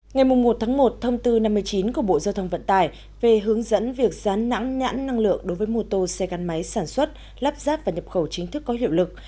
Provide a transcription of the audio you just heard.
ngày một một thông tư năm mươi chín của bộ giao thông vận tải về hướng dẫn việc gián nhãn năng lượng đối với mô tô xe gắn máy sản xuất lắp ráp và nhập khẩu chính thức có hiệu lực